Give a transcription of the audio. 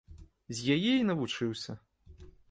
З яе і навучыўся.